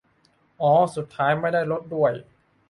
อ้อสุดท้ายไม่ได้ลดด้วย